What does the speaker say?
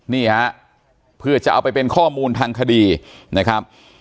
นี่ฮะเพื่อจะเอาไปเป็นข้อมูลทางคดีนะครับ